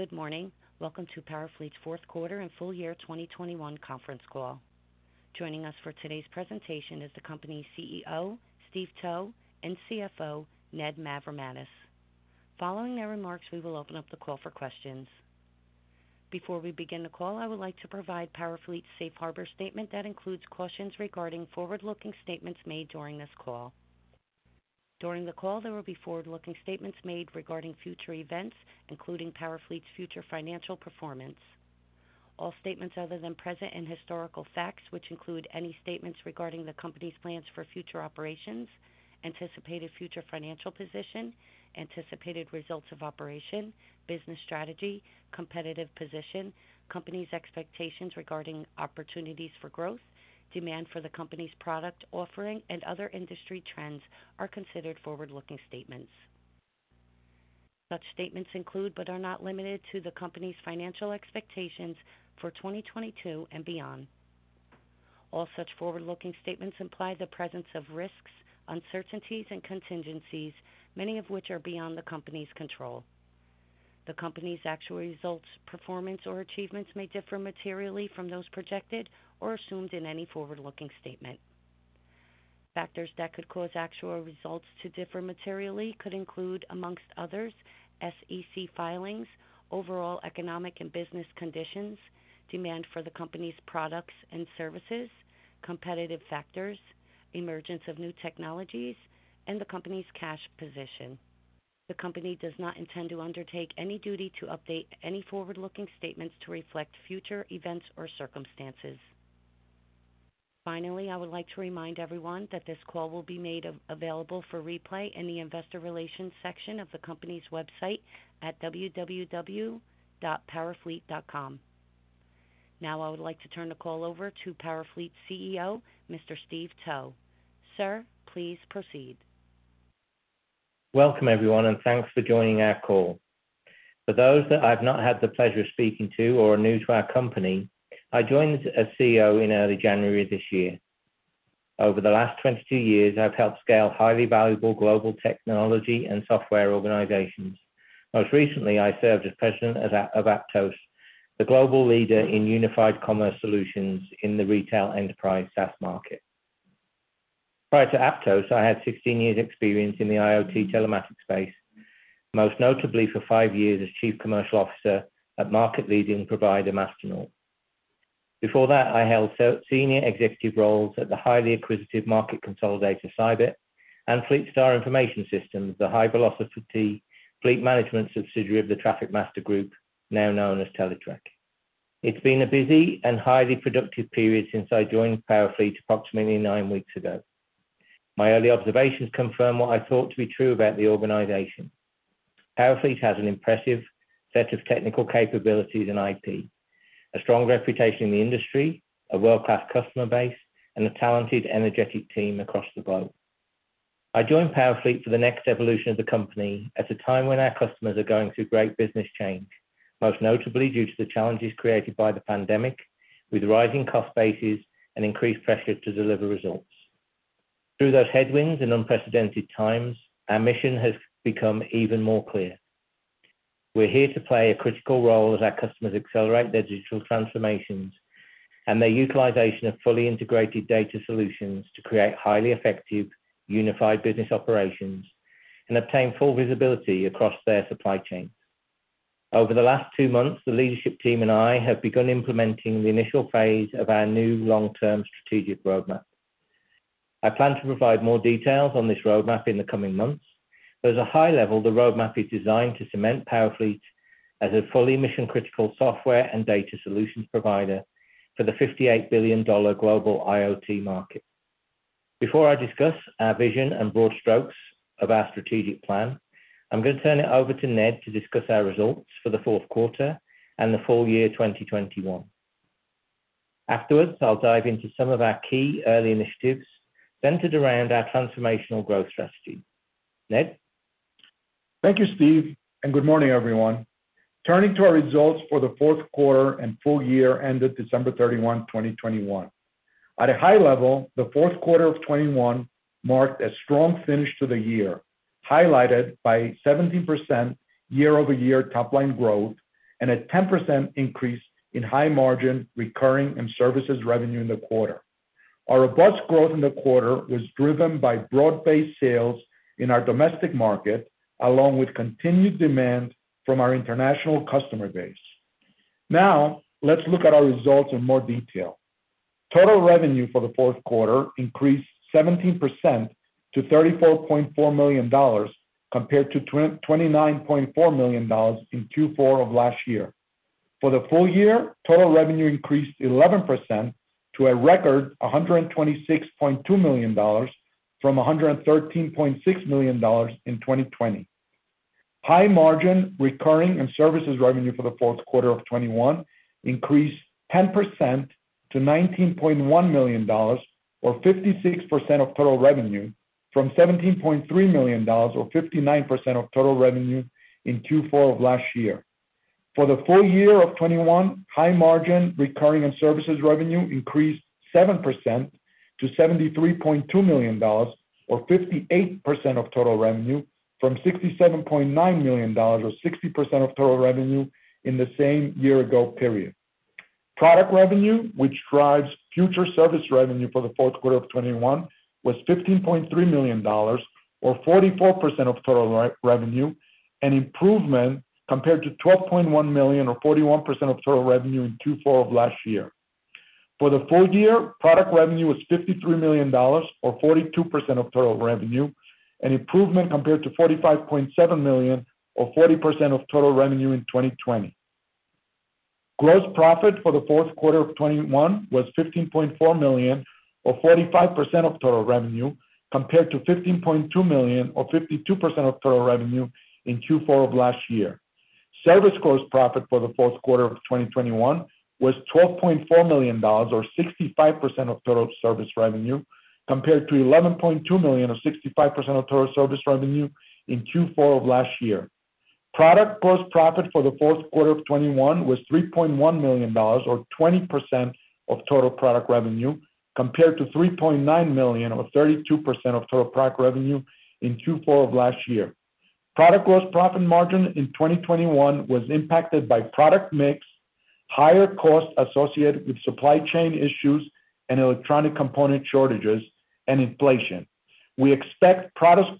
Good morning. Welcome to PowerFleet's fourth quarter and full year 2021 conference call. Joining us for today's presentation is the company's CEO, Steve Towe, and CFO, Ned Mavrommatis. Following their remarks, we will open up the call for questions. Before we begin the call, I would like to provide PowerFleet's safe harbor statement that includes cautions regarding forward-looking statements made during this call. During the call, there will be forward-looking statements made regarding future events, including PowerFleet's future financial performance. All statements other than present and historical facts, which include any statements regarding the company's plans for future operations, anticipated future financial position, anticipated results of operations, business strategy, competitive position, company's expectations regarding opportunities for growth, demand for the company's product offering, and other industry trends are considered forward-looking statements. Such statements include, but are not limited to, the company's financial expectations for 2022 and beyond. All such forward-looking statements imply the presence of risks, uncertainties, and contingencies, many of which are beyond the company's control. The company's actual results, performance, or achievements may differ materially from those projected or assumed in any forward-looking statement. Factors that could cause actual results to differ materially could include, among others, SEC filings, overall economic and business conditions, demand for the company's products and services, competitive factors, emergence of new technologies, and the company's cash position. The company does not intend to undertake any duty to update any forward-looking statements to reflect future events or circumstances. Finally, I would like to remind everyone that this call will be made available for replay in the investor relations section of the company's website at www.powerfleet.com. Now, I would like to turn the call over to PowerFleet's CEO, Mr. Steve Towe. Sir, please proceed. Welcome, everyone, and thanks for joining our call. For those that I've not had the pleasure of speaking to or are new to our company, I joined as CEO in early January of this year. Over the last 22 years, I've helped scale highly valuable global technology and software organizations. Most recently, I served as President of Aptos, the global leader in unified commerce solutions in the retail enterprise SaaS market. Prior to Aptos, I had 16 years' experience in the IoT telematics space, most notably for five years as Chief Commercial Officer at market-leading provider Masternaut. Before that, I held senior executive roles at the highly acquisitive market consolidator, Cybit, and Fleetstar Information Systems, the high-velocity fleet management subsidiary of the Trafficmaster group, now known as Teletrac. It's been a busy and highly productive period since I joined PowerFleet approximately nine weeks ago. My early observations confirm what I thought to be true about the organization. PowerFleet has an impressive set of technical capabilities and IP, a strong reputation in the industry, a world-class customer base, and a talented, energetic team across the globe. I joined PowerFleet for the next evolution of the company at a time when our customers are going through great business change, most notably due to the challenges created by the pandemic, with rising cost bases and increased pressure to deliver results. Through those headwinds and unprecedented times, our mission has become even more clear. We're here to play a critical role as our customers accelerate their digital transformations and their utilization of fully integrated data solutions to create highly effective unified business operations and obtain full visibility across their supply chain. Over the last two months, the leadership team and I have begun implementing the initial phase of our new long-term strategic roadmap. I plan to provide more details on this roadmap in the coming months. At a high level, the roadmap is designed to cement PowerFleet as a fully mission-critical software and data solutions provider for the $58 billion global IoT market. Before I discuss our vision and broad strokes of our strategic plan, I'm gonna turn it over to Ned to discuss our results for the fourth quarter and the full year 2021. Afterwards, I'll dive into some of our key early initiatives centered around our transformational growth strategy. Ned? Thank you, Steve, and good morning, everyone. Turning to our results for the fourth quarter and full year ended December 31, 2021. At a high level, the fourth quarter of 2021 marked a strong finish to the year, highlighted by 17% year-over-year top-line growth and a 10% increase in high-margin recurring and services revenue in the quarter. Our robust growth in the quarter was driven by broad-based sales in our domestic market, along with continued demand from our international customer base. Now, let's look at our results in more detail. Total revenue for the fourth quarter increased 17% to $34.4 million, compared to $29.4 million in Q4 of last year. For the full year, total revenue increased 11% to a record $126.2 million from $113.6 million in 2020. High margin recurring and services revenue for the fourth quarter of 2021 increased 10% to $19.1 million or 56% of total revenue from $17.3 million or 59% of total revenue in Q4 of last year. For the full year of 2021, high margin recurring and services revenue increased 7% to $73.2 million or 58% of total revenue from $67.9 million or 60% of total revenue in the same year-ago period. Product revenue, which drives future service revenue for the fourth quarter of 2021 was $15.3 million or 44% of total revenue, an improvement compared to $12.1 million or 41% of total revenue in Q4 of last year. For the full year, product revenue was $53 million or 42% of total revenue, an improvement compared to $45.7 million or 40% of total revenue in 2020. Gross profit for the fourth quarter of 2021 was $15.4 million or 45% of total revenue, compared to $15.2 million or 52% of total revenue in Q4 of last year. Service gross profit for the fourth quarter of 2021 was $12.4 million or 65% of total service revenue, compared to $11.2 million or 65% of total service revenue in Q4 of last year. Product gross profit for the fourth quarter of 2021 was $3.1 million or 20% of total product revenue, compared to $3.9 million or 32% of total product revenue in Q4 of last year. Product gross profit margin in 2021 was impacted by product mix, higher costs associated with supply chain issues and electronic component shortages and inflation. We expect product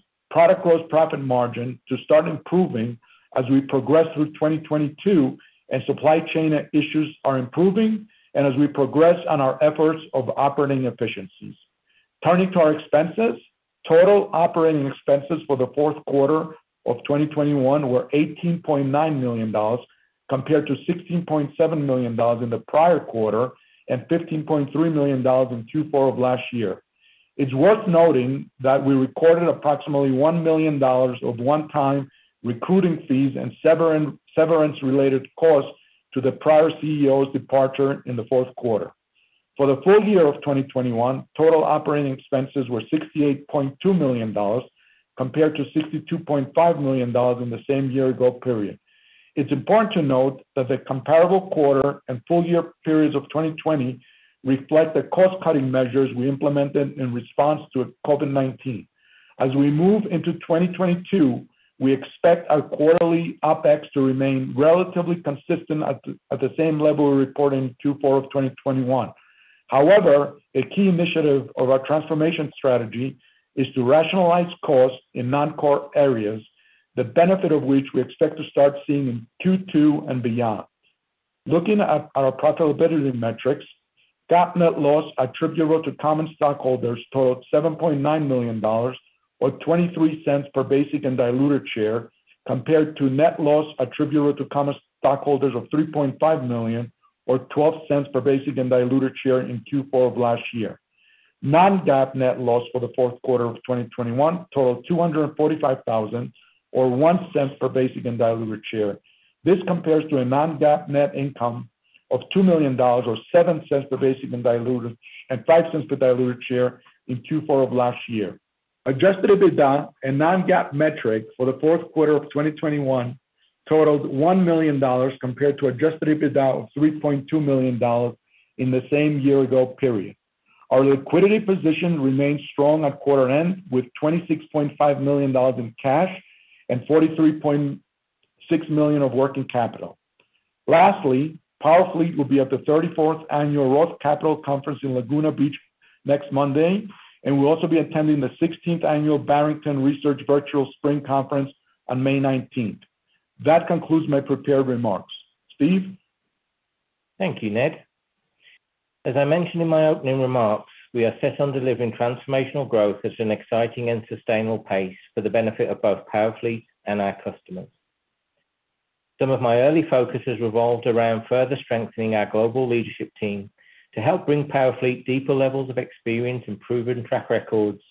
gross profit margin to start improving as we progress through 2022 and supply chain issues are improving and as we progress on our efforts of operating efficiencies. Turning to our expenses. Total operating expenses for the fourth quarter of 2021 were $18.9 million, compared to $16.7 million in the prior quarter and $15.3 million in Q4 of last year. It's worth noting that we recorded approximately $1 million of one-time recruiting fees and severance related costs to the prior CEO's departure in the fourth quarter. For the full year of 2021, total operating expenses were $68.2 million, compared to $62.5 million in the same year ago period. It's important to note that the comparable quarter and full year periods of 2020 reflect the cost-cutting measures we implemented in response to COVID-19. As we move into 2022, we expect our quarterly OpEx to remain relatively consistent at the same level we reported in Q4 of 2021. However, a key initiative of our transformation strategy is to rationalize costs in non-core areas, the benefit of which we expect to start seeing in Q2 and beyond. Looking at our profitability metrics, GAAP net loss attributable to common stockholders totaled $7.9 million or $0.23 per basic and diluted share, compared to net loss attributable to common stockholders of $3.5 million or $0.12 per basic and diluted share in Q4 of last year. Non-GAAP net loss for the fourth quarter of 2021 totaled $245,000 or $0.01 per basic and diluted share. This compares to a non-GAAP net income of $2 million or $0.07 per basic and diluted, and $0.05 per diluted share in Q4 of last year. Adjusted EBITDA, a non-GAAP metric, for the fourth quarter of 2021 totaled $1 million compared to adjusted EBITDA of $3.2 million in the same year ago period. Our liquidity position remains strong at quarter end, with $26.5 million in cash and $43.6 million of working capital. Lastly, PowerFleet will be at the 34th Annual Roth Capital Conference in Laguna Beach next Monday, and we'll also be attending the 16th annual Barrington Research Virtual Spring Conference on May 19th. That concludes my prepared remarks. Steve? Thank you, Ned. As I mentioned in my opening remarks, we are set on delivering transformational growth at an exciting and sustainable pace for the benefit of both PowerFleet and our customers. Some of my early focus has revolved around further strengthening our global leadership team to help bring PowerFleet deeper levels of experience and proven track records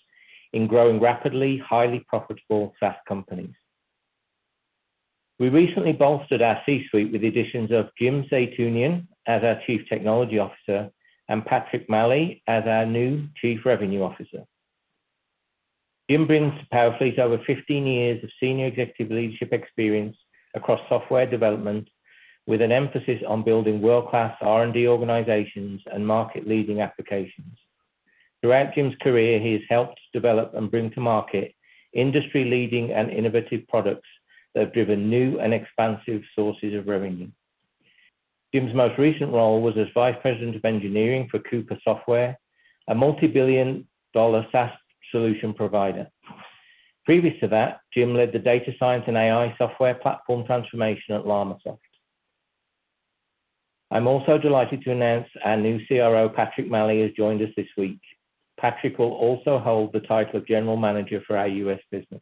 in growing rapidly, highly profitable SaaS companies. We recently bolstered our C-suite with the additions of Jim Zeitunian as our Chief Technology Officer, and Patrick Maley as our new Chief Revenue Officer. Jim brings to PowerFleet over 15 years of senior executive leadership experience across software development, with an emphasis on building world-class R&D organizations and market-leading applications. Throughout Jim's career, he has helped develop and bring to market industry-leading and innovative products that have driven new and expansive sources of revenue. Jim's most recent role was as Vice President of Engineering for Coupa Software, a multi-billion dollar SaaS solution provider. Previous to that, Jim led the data science and AI software platform transformation at LLamasoft. I'm also delighted to announce our new CRO, Patrick Maley, has joined us this week. Patrick will also hold the title of General Manager for our U.S. business.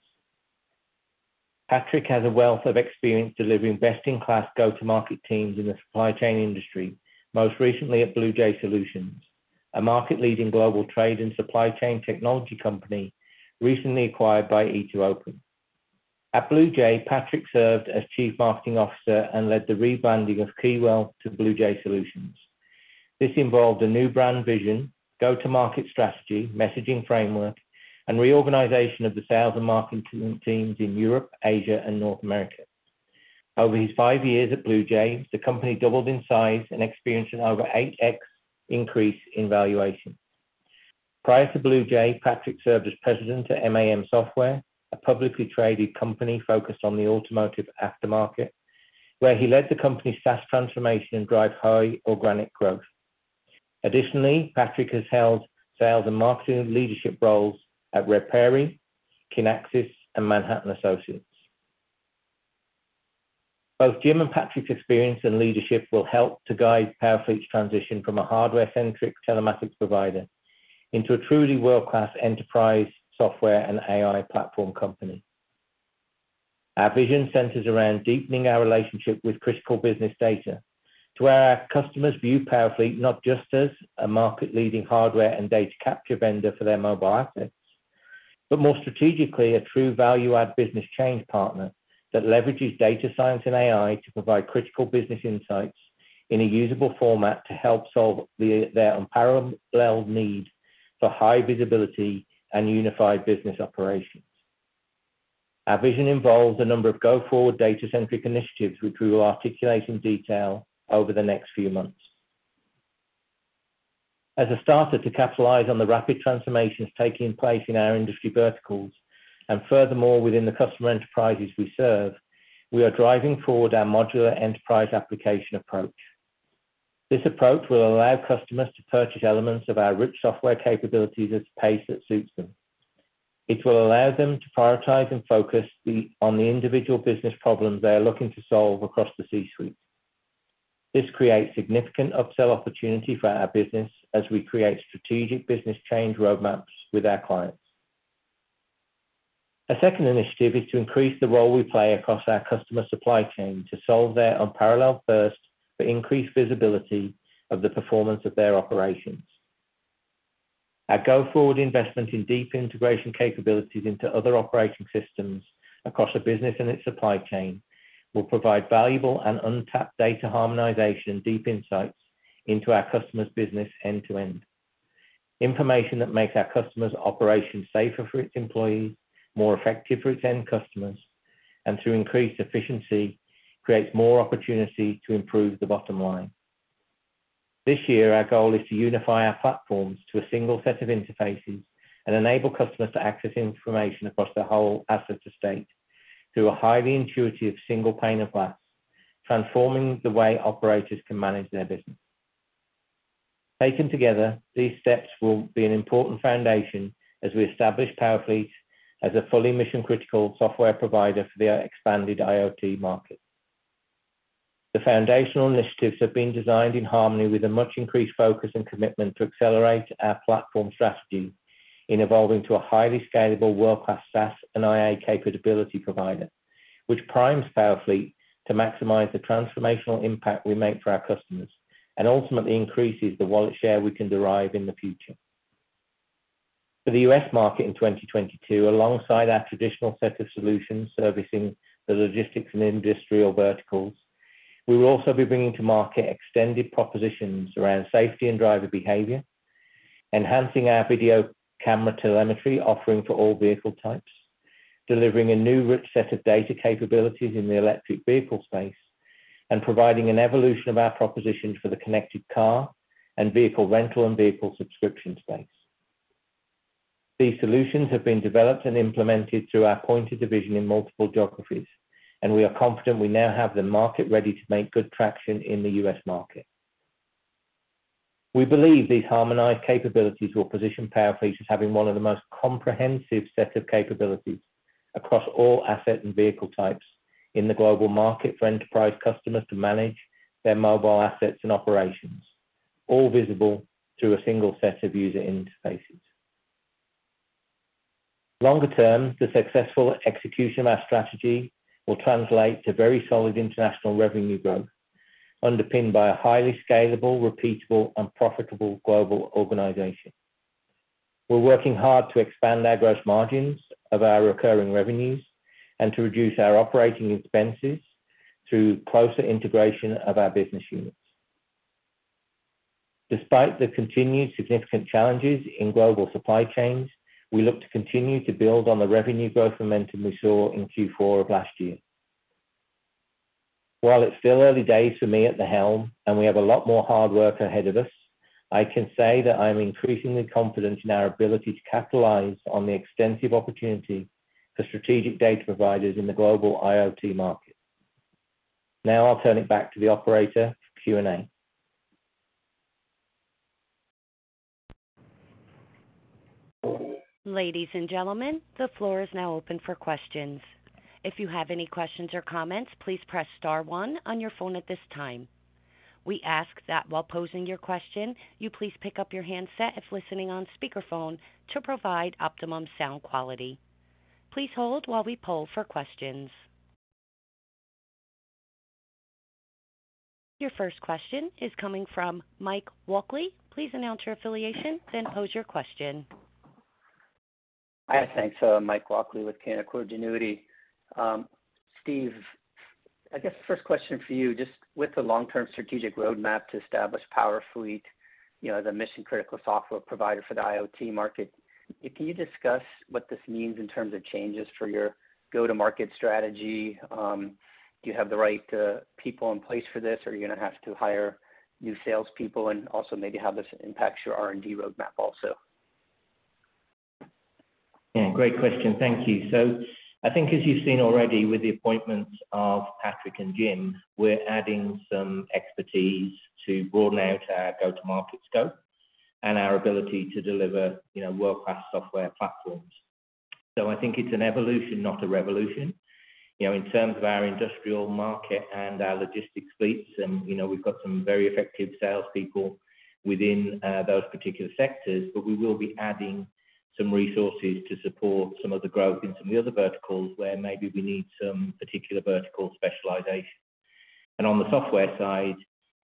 Patrick has a wealth of experience delivering best-in-class go-to-market teams in the supply chain industry, most recently at BluJay Solutions, a market-leading global trade and supply chain technology company recently acquired by E2open. At BluJay, Patrick served as Chief Marketing Officer and led the rebranding of Kewill to BluJay Solutions. This involved a new brand vision, go-to-market strategy, messaging framework, and reorganization of the sales and marketing teams in Europe, Asia, and North America. Over his five years at BluJay, the company doubled in size and experienced an over 8x increase in valuation. Prior to BluJay, Patrick served as president at MAM Software, a publicly traded company focused on the automotive aftermarket, where he led the company's SaaS transformation and drive high organic growth. Additionally, Patrick has held sales and marketing leadership roles at RedPrairie, Kinaxis and Manhattan Associates. Both Jim and Patrick's experience and leadership will help to guide PowerFleet's transition from a hardware-centric telematics provider into a truly world-class enterprise software and AI platform company. Our vision centers around deepening our relationship with critical business data to where our customers view PowerFleet not just as a market-leading hardware and data capture vendor for their mobile assets, but more strategically, a true value-add business change partner that leverages data science and AI to provide critical business insights in a usable format to help solve their unparalleled need for high visibility and unified business operations. Our vision involves a number of go-forward data-centric initiatives which we will articulate in detail over the next few months. As a starter to capitalize on the rapid transformations taking place in our industry verticals, and furthermore within the customer enterprises we serve, we are driving forward our modular enterprise application approach. This approach will allow customers to purchase elements of our rich software capabilities at a pace that suits them. It will allow them to prioritize and focus on the individual business problems they are looking to solve across the C-suite. This creates significant upsell opportunity for our business as we create strategic business change roadmaps with our clients. A second initiative is to increase the role we play across our customer supply chain to solve their unparalleled thirst for increased visibility of the performance of their operations. Our go-forward investment in deep integration capabilities into other operating systems across a business and its supply chain will provide valuable and untapped data harmonization, deep insights into our customer's business end to end. Information that makes our customers' operations safer for its employees, more effective for its end customers, and through increased efficiency, creates more opportunity to improve the bottom line. This year our goal is to unify our platforms to a single set of interfaces and enable customers to access information across their whole asset estate through a highly intuitive single pane of glass, transforming the way operators can manage their business. Taken together, these steps will be an important foundation as we establish PowerFleet as a fully mission-critical software provider for the expanded IoT market. The foundational initiatives have been designed in harmony with a much increased focus and commitment to accelerate our platform strategy in evolving to a highly scalable world-class SaaS and AI capability provider, which primes PowerFleet to maximize the transformational impact we make for our customers and ultimately increases the wallet share we can derive in the future. For the U.S., market in 2022, alongside our traditional set of solutions servicing the logistics and industrial verticals, we will also be bringing to market extended propositions around safety and driver behavior, enhancing our video camera telemetry offering for all vehicle types, delivering a new rich set of data capabilities in the electric vehicle space, and providing an evolution of our propositions for the connected car and vehicle rental and vehicle subscription space. These solutions have been developed and implemented through our Pointer division in multiple geographies, and we are confident we now have the market ready to make good traction in the U.S. market. We believe these harmonized capabilities will position PowerFleet as having one of the most comprehensive set of capabilities across all asset and vehicle types in the global market for enterprise customers to manage their mobile assets and operations, all visible through a single set of user interfaces. Longer term, the successful execution of our strategy will translate to very solid international revenue growth, underpinned by a highly scalable, repeatable and profitable global organization. We're working hard to expand our gross margins of our recurring revenues and to reduce our operating expenses through closer integration of our business units. Despite the continued significant challenges in global supply chains, we look to continue to build on the revenue growth momentum we saw in Q4 of last year. While it's still early days for me at the helm and we have a lot more hard work ahead of us, I can say that I am increasingly confident in our ability to capitalize on the extensive opportunity for strategic data providers in the global IoT market. Now I'll turn it back to the operator for Q&A. Ladies and gentlemen, the floor is now open for questions. If you have any questions or comments, please press star one on your phone at this time. We ask that while posing your question, you please pick up your handset if listening on speakerphone to provide optimum sound quality. Please hold while we poll for questions. Your first question is coming from Mike Walkley. Please announce your affiliation, then pose your question. Hi. Thanks. Mike Walkley with Canaccord Genuity. Steve, I guess first question for you, just with the long-term strategic roadmap to establish PowerFleet, you know, as a mission-critical software provider for the IoT market. Can you discuss what this means in terms of changes for your go-to-market strategy? Do you have the right people in place for this, or are you gonna have to hire new salespeople and also maybe how this impacts your R&D roadmap also? Yeah, great question. Thank you. I think as you've seen already with the appointments of Patrick and Jim, we're adding some expertise to broaden out our go-to-market scope and our ability to deliver, you know, world-class software platforms. I think it's an evolution, not a revolution. You know, in terms of our industrial market and our logistics fleets and, you know, we've got some very effective salespeople within those particular sectors, but we will be adding some resources to support some of the growth in some of the other verticals where maybe we need some particular vertical specialization. On the software side,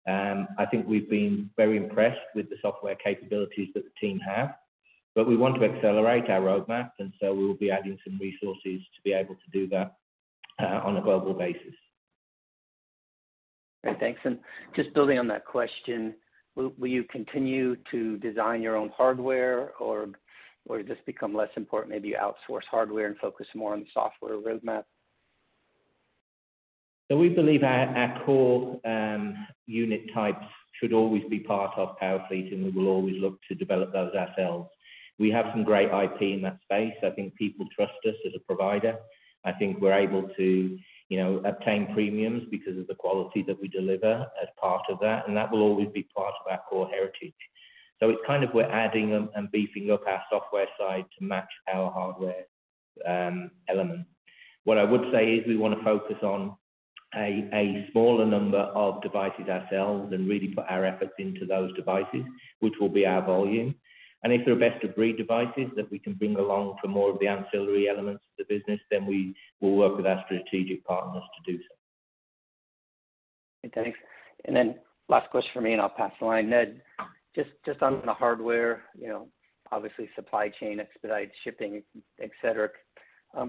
I think we've been very impressed with the software capabilities that the team have. We want to accelerate our roadmap, and so we will be adding some resources to be able to do that on a global basis. All right. Thanks. Just building on that question, will you continue to design your own hardware or just become less important, maybe outsource hardware and focus more on the software roadmap? We believe our core unit types should always be part of PowerFleet, and we will always look to develop those ourselves. We have some great IT in that space. I think people trust us as a provider. I think we're able to, you know, obtain premiums because of the quality that we deliver as part of that, and that will always be part of our core heritage. It's kind of we're adding and beefing up our software side to match our hardware element. What I would say is we wanna focus on a smaller number of devices ourselves and really put our efforts into those devices, which will be our volume. And if there are best-of-breed devices that we can bring along for more of the ancillary elements of the business, then we will work with our strategic partners to do so. Okay, thanks. Last question from me, and I'll pass the line. Ned, just on the hardware, you know, obviously supply chain, expedite shipping, et cetera.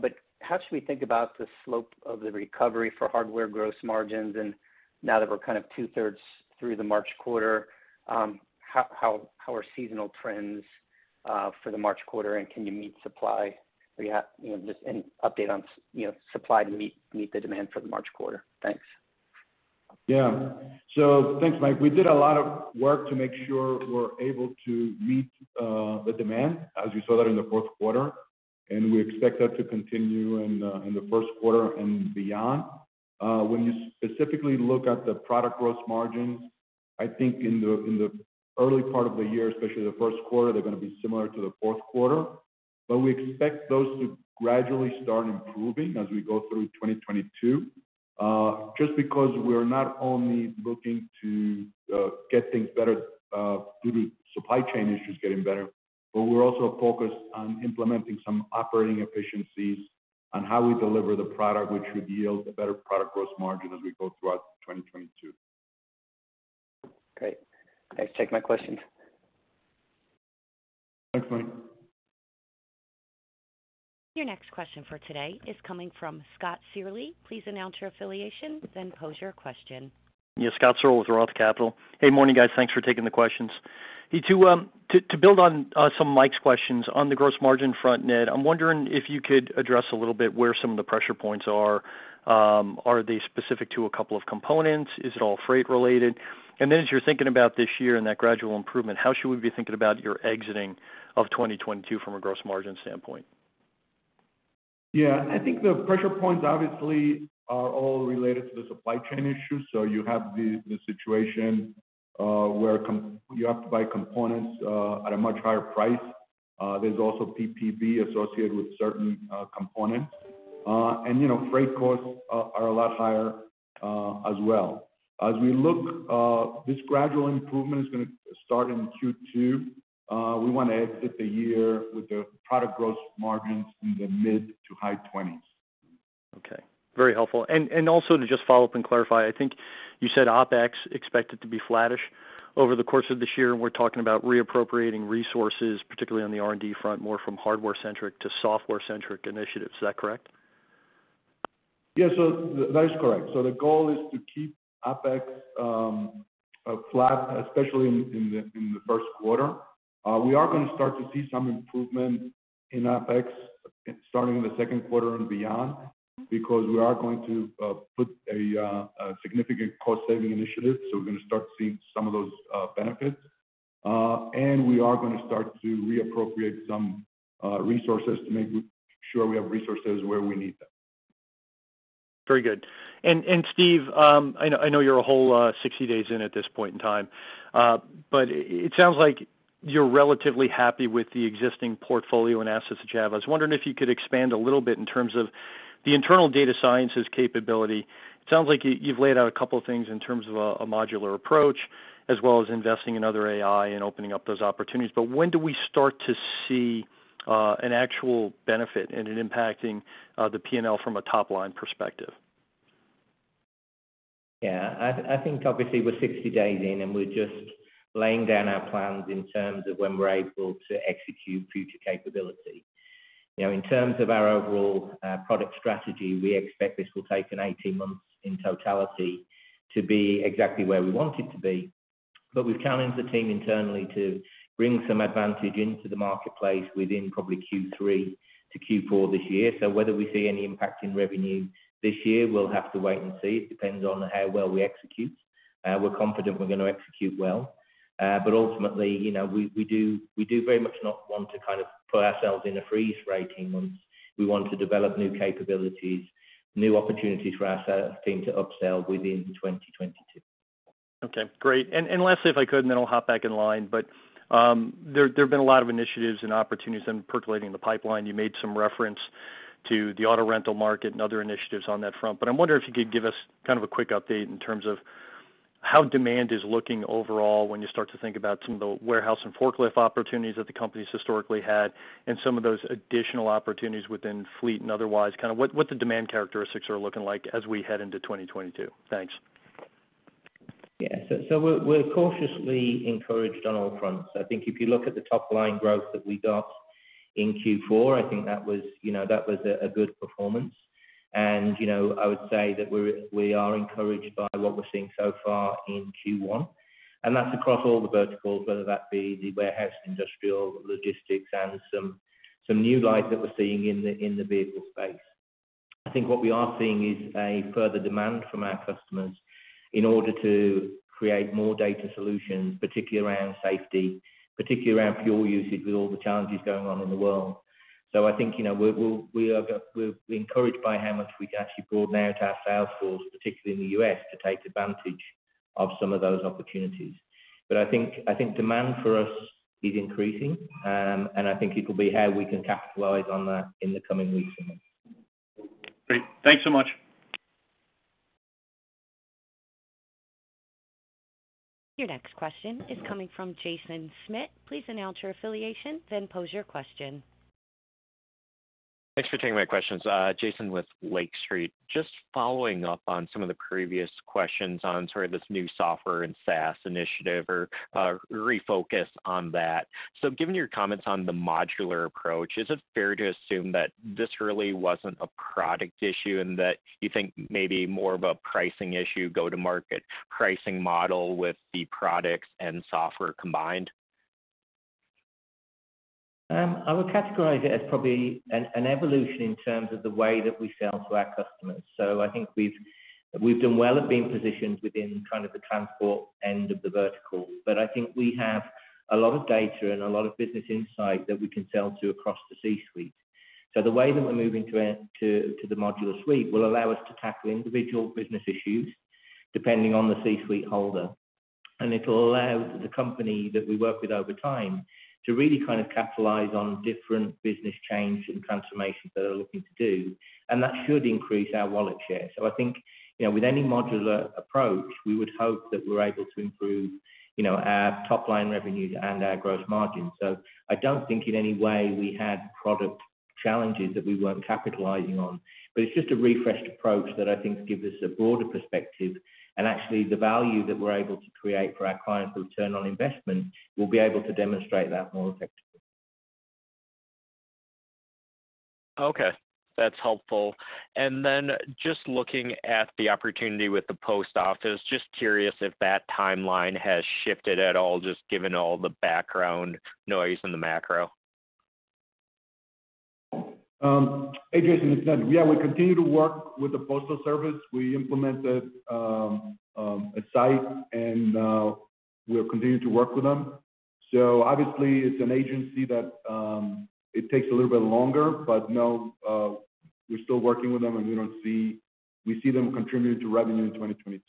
But how should we think about the slope of the recovery for hardware gross margins? Now that we're kind of two-thirds through the March quarter, how are seasonal trends for the March quarter, and can you meet supply? You know, just any update on supply to meet the demand for the March quarter. Thanks. Yeah. Thanks, Mike. We did a lot of work to make sure we're able to meet the demand, as you saw that in the fourth quarter, and we expect that to continue in the first quarter and beyond. When you specifically look at the product gross margins, I think in the early part of the year, especially the first quarter, they're gonna be similar to the fourth quarter. We expect those to gradually start improving as we go through 2022, just because we're not only looking to get things better due to supply chain issues getting better, but we're also focused on implementing some operating efficiencies on how we deliver the product, which should yield a better product gross margin as we go throughout 2022. Great.Thanks taking my question. Thanks, Mike. Your next question for today is coming from Scott Searle. Please announce your affiliation then pose your question. Yeah. Scott Searle with Roth Capital. Hey, morning, guys. Thanks for taking the questions. To build on some of Mike's questions on the gross margin front, Ned, I'm wondering if you could address a little bit where some of the pressure points are. Are they specific to a couple of components? Is it all freight related? And then as you're thinking about this year and that gradual improvement, how should we be thinking about your exiting of 2022 from a gross margin standpoint? Yeah. I think the pressure points obviously are all related to the supply chain issues. You have the situation where you have to buy components at a much higher price. There's also PPV associated with certain components. And you know, freight costs are a lot higher as well. As we look, this gradual improvement is gonna start in Q2. We wanna exit the year with the product gross margins in the mid- to high 20s%. Okay. Very helpful. Also to just follow up and clarify, I think you said OpEx expected to be flattish over the course of this year, and we're talking about reappropriating resources, particularly on the R&D front, more from hardware-centric to software-centric initiatives. Is that correct? Yeah. That is correct. The goal is to keep OpEx flat, especially in the first quarter. We are gonna start to see some improvement in OpEx starting in the second quarter and beyond because we are going to put a significant cost-saving initiative. We're gonna start seeing some of those benefits. We are gonna start to reappropriate some resources to make sure we have resources where we need them. Very good. Steve, I know you're a whole 60 days in at this point in time, but it sounds like you're relatively happy with the existing portfolio and assets that you have. I was wondering if you could expand a little bit in terms of the internal data sciences capability. It sounds like you've laid out a couple of things in terms of a modular approach, as well as investing in other AI and opening up those opportunities. When do we start to see an actual benefit and it impacting the P&L from a top-line perspective? Yeah. I think obviously we're 60 days in, and we're just laying down our plans in terms of when we're able to execute future capabilities. You know, in terms of our overall, product strategy, we expect this will take an 18 months in totality to be exactly where we want it to be. We've challenged the team internally to bring some advantage into the marketplace within probably Q3 to Q4 this year. Whether we see any impact in revenue this year, we'll have to wait and see. It depends on how well we execute. We're confident we're gonna execute well. Ultimately, you know, we do very much not want to kind of put ourselves in a freeze for 18 months. We want to develop new capabilities, new opportunities for our sales team to upsell within 2022. Okay, great. Lastly, if I could, and then I'll hop back in line, but there have been a lot of initiatives and opportunities then percolating in the pipeline. You made some reference to the auto rental market and other initiatives on that front. I'm wondering if you could give us kind of a quick update in terms of how demand is looking overall when you start to think about some of the warehouse and forklift opportunities that the company's historically had and some of those additional opportunities within fleet and otherwise, kind of what the demand characteristics are looking like as we head into 2022. Thanks. Yeah, we're cautiously encouraged on all fronts. I think if you look at the top line growth that we got in Q4, I think that was, you know, a good performance. You know, I would say that we are encouraged by what we're seeing so far in Q1, and that's across all the verticals, whether that be the warehouse, industrial, logistics, and some new light that we're seeing in the vehicle space. I think what we are seeing is a further demand from our customers in order to create more data solutions, particularly around safety, particularly around fuel usage with all the challenges going on in the world. I think, you know, we're encouraged by how much we can actually broaden out our sales force, particularly in the U.S., to take advantage of some of those opportunities. I think demand for us is increasing. I think it'll be how we can capitalize on that in the coming weeks and months. Great. Thanks so much. Your next question is coming from Jaeson Schmidt. Please announce your affiliation, then pose your question. Thanks for taking my questions. Jaeson with Lake Street. Just following up on some of the previous questions on sort of this new software and SaaS initiative or refocus on that. Given your comments on the modular approach, is it fair to assume that this really wasn't a product issue and that you think maybe more of a pricing issue, go-to-market pricing model with the products and software combined? I would categorize it as probably an evolution in terms of the way that we sell to our customers. I think we've done well at being positioned within kind of the transport end of the vertical. I think we have a lot of data and a lot of business insight that we can sell to across the C-suite. The way that we're moving to the modular suite will allow us to tackle individual business issues depending on the C-suite holder. It'll allow the company that we work with over time to really kind of capitalize on different business change and transformations that they're looking to do, and that should increase our wallet share. I think, you know, with any modular approach, we would hope that we're able to improve, you know, our top-line revenues and our gross margins. I don't think in any way we had product challenges that we weren't capitalizing on. It's just a refreshed approach that I think gives us a broader perspective and actually the value that we're able to create for our clients' return on investment, we'll be able to demonstrate that more effectively. Okay, that's helpful. Just looking at the opportunity with the Postal Service, just curious if that timeline has shifted at all, just given all the background noise in the macro? Hey, Jaeson. It's Ned. Yeah, we continue to work with the Postal Service. We implemented a site and we're continuing to work with them. Obviously it's an agency that takes a little bit longer, but no, we're still working with them and we see them contributing to revenue in 2022.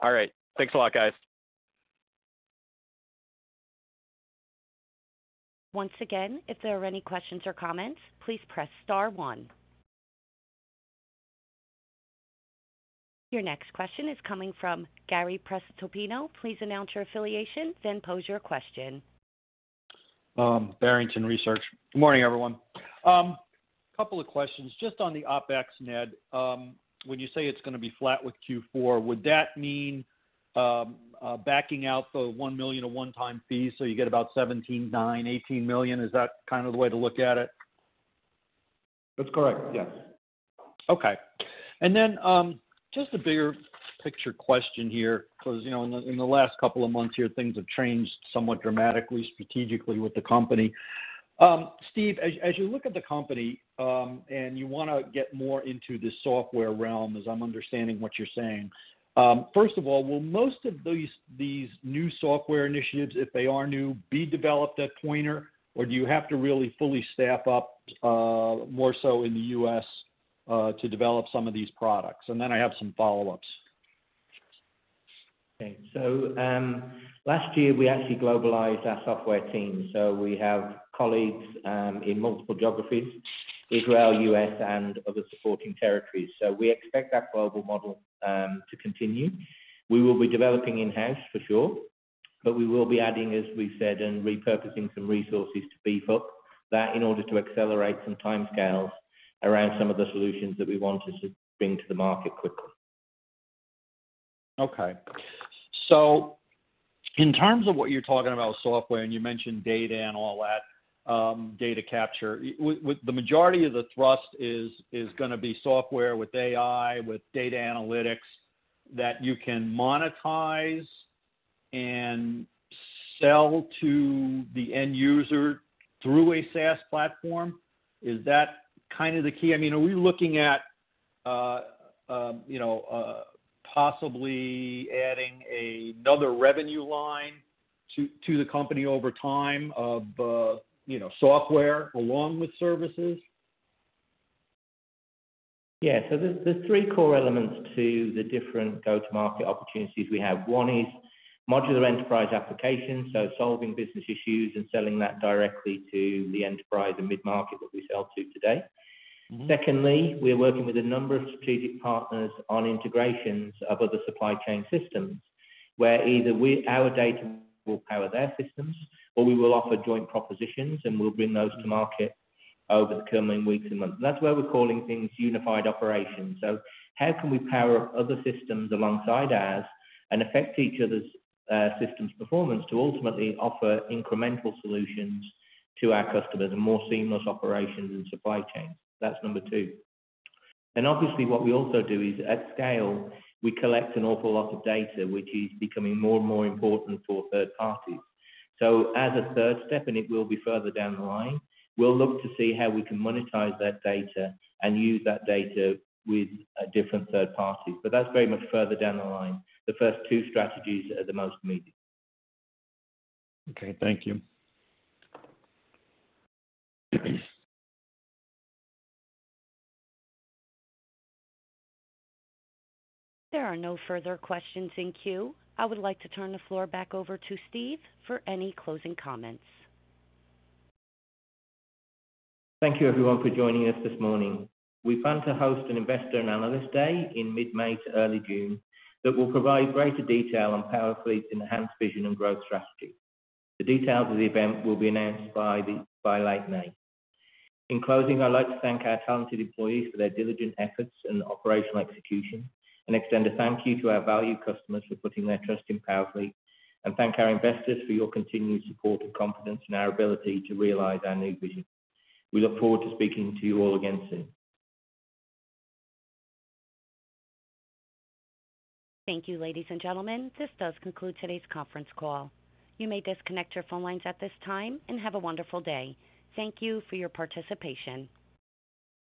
All right. Thanks a lot, guys. Once again, if there are any questions or comments, please press star one. Your next question is coming from Gary Prestopino. Please announce your affiliation, then pose your question. Barrington Research. Good morning, everyone. Couple of questions. Just on the OpEx, Ned. When you say it's gonna be flat with Q4, would that mean, backing out the $1 million of one-time fees so you get about $17.9 million-$18 million? Is that kind of the way to look at it? That's correct, yes. Okay. Just a bigger picture question here, 'cause, you know, in the last couple of months here, things have changed somewhat dramatically strategically with the company. Steve, as you look at the company, and you wanna get more into the software realm, as I'm understanding what you're saying, first of all, will most of these new software initiatives, if they are new, be developed at Pointer, or do you have to really fully staff up, more so in the U.S., to develop some of these products? I have some follow-ups. Last year, we actually globalized our software team, so we have colleagues in multiple geographies, Israel, U.S., and other supporting territories. We expect that global model to continue. We will be developing in-house for sure, but we will be adding, as we said, and repurposing some resources to beef up that in order to accelerate some timescales around some of the solutions that we wanted to bring to the market quickly. Okay. In terms of what you're talking about software, and you mentioned data and all that, data capture. The majority of the thrust is gonna be software with AI, with data analytics that you can monetize and sell to the end user through a SaaS platform. Is that kind of the key? I mean, are we looking at, you know, possibly adding another revenue line to the company over time of, you know, software along with services? Yeah. There's three core elements to the different go-to-market opportunities we have. One is modular enterprise applications, so solving business issues and selling that directly to the enterprise and mid-market that we sell to today. Mm-hmm. Secondly, we're working with a number of strategic partners on integrations of other supply chain systems, where either our data will power their systems, or we will offer joint propositions, and we'll bring those to market over the coming weeks and months. That's where we're calling things unified operations. How can we power up other systems alongside ours and affect each other's systems performance to ultimately offer incremental solutions to our customers and more seamless operations and supply chains? That's number two. Obviously, what we also do is at scale, we collect an awful lot of data, which is becoming more and more important for third parties. As a third step, and it will be further down the line, we'll look to see how we can monetize that data and use that data with different third parties. That's very much further down the line. The first two strategies are the most immediate. Okay, thank you. There are no further questions in queue. I would like to turn the floor back over to Steve for any closing comments. Thank you everyone for joining us this morning. We plan to host an investor and analyst day in mid-May to early June that will provide greater detail on PowerFleet's enhanced vision and growth strategy. The details of the event will be announced by late May. In closing, I'd like to thank our talented employees for their diligent efforts and operational execution, and extend a thank you to our valued customers for putting their trust in PowerFleet, and thank our investors for your continued support and confidence in our ability to realize our new vision. We look forward to speaking to you all again soon. Thank you, ladies and gentlemen. This does conclude today's conference call. You may disconnect your phone lines at this time, and have a wonderful day. Thank you for your participation.